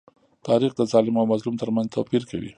تاریخ د ظالم او مظلوم تر منځ توپير کوي.